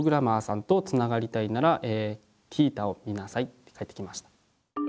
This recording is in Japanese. って返ってきました。